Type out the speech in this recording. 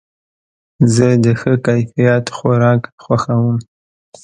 زه د ښه کیفیت خوراک خوښوم.